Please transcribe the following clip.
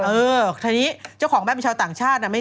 เออทีนี้เจ้าของแม่เป็นชาวต่างชาติ